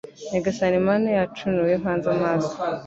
Nyagasani Mana yacu ni wowe mpanze amaso